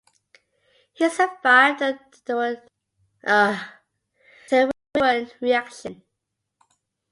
He survived the Thermidorian Reaction.